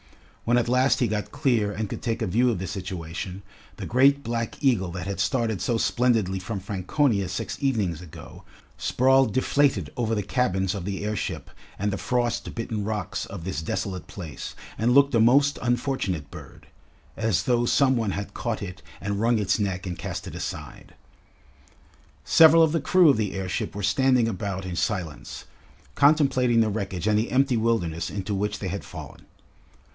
When at last he got clear and could take a view of the situation, the great black eagle that had started so splendidly from Franconia six evenings ago, sprawled deflated over the cabins of the airship and the frost bitten rocks of this desolate place and looked a most unfortunate bird as though some one had caught it and wrung its neck and cast it aside. Several of the crew of the airship were standing about in silence, contemplating the wreckage and the empty wilderness into which they had fallen.